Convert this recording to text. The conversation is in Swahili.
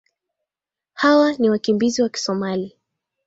hawa ni wakimbizi wa kisomali